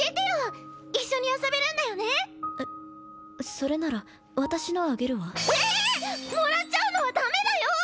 それなら私のあげるわええっ！もらっちゃうのはダメだよ！